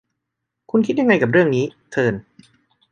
คุณคิดยังไงกับเรื่องนี้ เทิร์น